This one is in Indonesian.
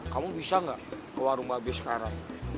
kamu bisa nggak ke warung babi sekarang